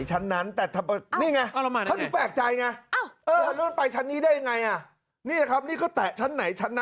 มันเหนียนขึ้นมา